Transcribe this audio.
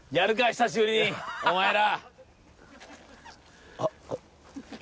久しぶりにお前ら。